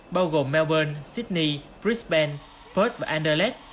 bao gồm melbourne sydney brisbane bird và adelaide